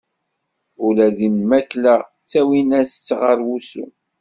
Ula d lmakla ttawin-as-tt ɣer wusu.